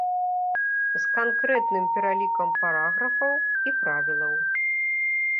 З канкрэтным пералікам параграфаў і правілаў.